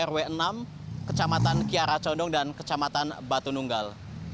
r satu rw empat rw enam kecamatan kiara condong dan kecamatan batu nunggal